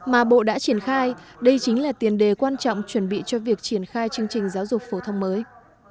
mà bộ đã triển khai đây chính là tiền đề quan trọng chuẩn bị cho việc triển khai chương trình giáo dục phổ thông mới